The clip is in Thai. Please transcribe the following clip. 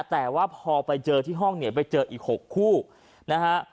แต่ว่าพอไปเจอที่ห้องเนี่ยไปเจออีก๖คู่นะฮะ